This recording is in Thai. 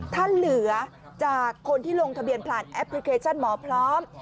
ถ้าเหลือจากคนที่ลงทะเบียนผ่านแอปพลิเคชันหมอพร้อม